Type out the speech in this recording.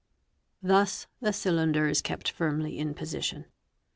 Thus the cylinder is kept firmly in position.